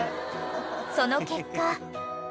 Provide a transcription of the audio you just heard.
［その結果］